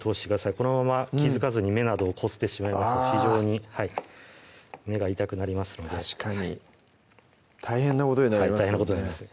このまま気付かずに目などをこすってしまいますと非常に目が痛くなりますので確かに大変なことになりますよね